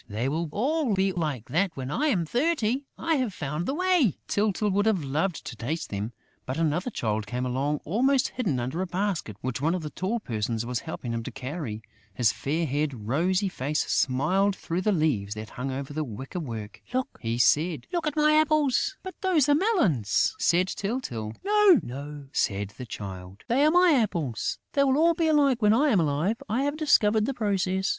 "They will all be like that when I am thirty: I have found the way...." Tyltyl would have loved to taste them, but another Child came along almost hidden under a basket which one of the tall persons was helping him to carry. His fair haired, rosy face smiled through the leaves that hung over the wicker work. [Illustration: Other Blue Children unfolded maps and plans, or brought enormous flowers] "Look!" he said. "Look at my apples...." "But those are melons!" said Tyltyl. "No, no!" said the Child. "They are my apples! They will all be alike when I am alive! I have discovered the process!..."